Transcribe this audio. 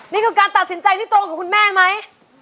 นี่คือการตัดสินใจที่ตรงกับคุณแม่ไหม